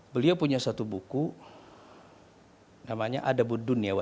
beliau punya satu buku namanya ada budu nabi